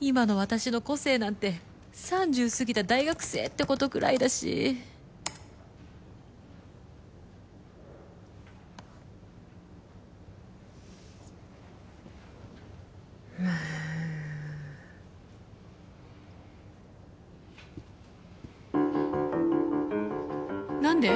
今の私の個性なんて３０過ぎた大学生ってことくらいだしむん何で？